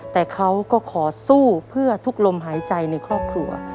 แต่เขาก็ขอสู้เพื่อทุกลมหายใจในครอบครัว